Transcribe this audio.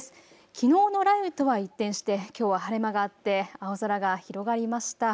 きのうの雷雨とは一転してきょうは晴れ間があって青空が広がりました。